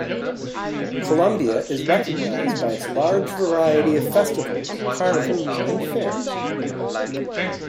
Colombia is recognized by its large variety of festivals, carnivals and fairs.